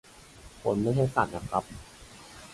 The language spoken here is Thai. คนไม่ใช่สัตว์นะครับ